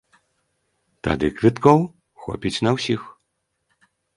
Тады квіткоў хопіць на ўсіх.